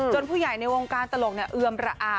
ผู้ใหญ่ในวงการตลกเอือมระอา